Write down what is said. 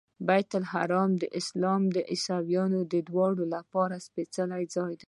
بیت لحم د اسلام او عیسویت دواړو لپاره سپېڅلی ځای دی.